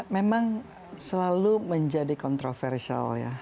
memang selalu menjadi kontroversial ya